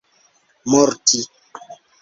morti